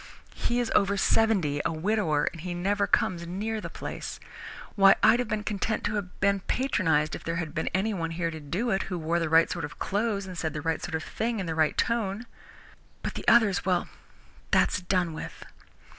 He is over seventy, a widower, and he never comes near the place. Why, I'd have been content to have been patronized if there had been anyone here to do it, who wore the right sort of clothes and said the right sort of thing in the right tone. But the others well, that's done with."